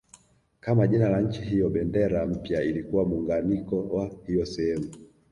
Kama jina la nchi hiyo bendera mpya ilikuwa muunganiko wa hiyo sehemu